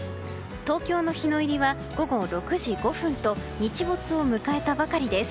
東京の日の入りは午後６時５分と日没を迎えたばかりです。